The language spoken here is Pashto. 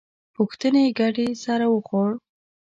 پوښتنې ګډې سر وخوړ.